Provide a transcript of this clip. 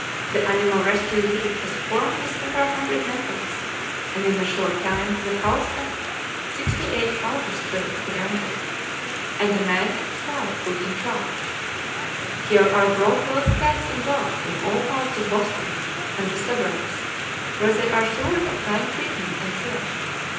The Animal Rescue League was formed with several hundred members, and in a short time the house at 68 Carver Street was rented, and a man and his wife put in charge. Here are brought both cats and dogs from all parts of Boston and the suburbs, where they are sure of kind treatment and care.